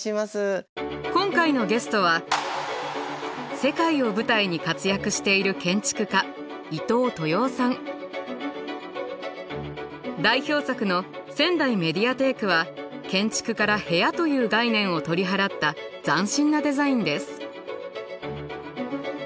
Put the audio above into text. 今回のゲストは世界を舞台に活躍している代表作のせんだいメディアテークは建築から部屋という概念を取り払った斬新なデザインです。